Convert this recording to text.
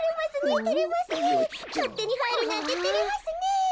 えてれますねえかってにはいるなんててれますねえ。